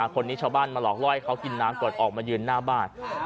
คนนี้ชาวบ้านมาหลอกล่อให้เขากินน้ำก่อนออกมายืนหน้าบ้าน